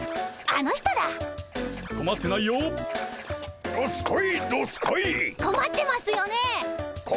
あの人か！